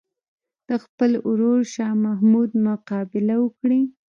د خپل ورور شاه محمود مقابله وکړي.